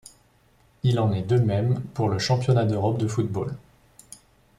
Il en est de même pour le Championnat d'Europe de football.